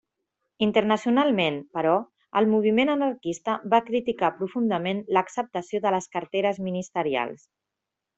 Internacionalment, però, el moviment anarquista va criticar profundament l'acceptació de les carteres ministerials.